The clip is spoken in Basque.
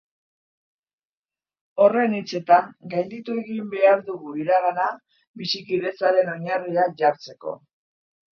Horren hitzetan, gainditu egin behar dugu iragana, bizikidetzaren oinarriak jartzeko.